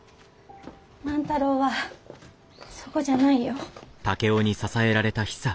万太郎はそこじゃないよ。